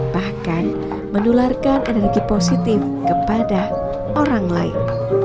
bahkan menularkan energi positif kepada orang lain